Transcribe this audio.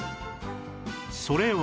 それは